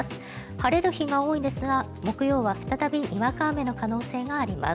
晴れる日が多いですが木曜は再びにわか雨の可能性があります。